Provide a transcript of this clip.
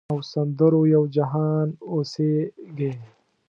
او سندرو یو جهان اوسیږې